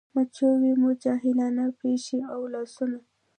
مچوي مو جاهلان پښې او لاسونه